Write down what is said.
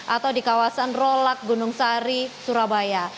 atau di kawasan rolak gunung sari surabaya